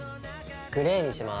グレーにします。